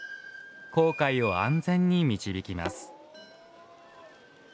航海を安全に導きます。